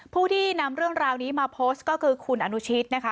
ผู้ที่นำเรื่องราวนี้มาโพสต์ก็คือคุณอนุชิตนะคะ